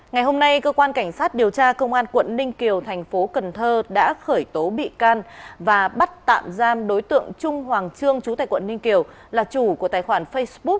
ngày hôm nay cơ quan cảnh sát điều tra công an quận ninh kiều thành phố cần thơ đã khởi tố bị can và bắt tạm giam đối tượng trung hoàng trương chú tại quận ninh kiều là chủ của tài khoản facebook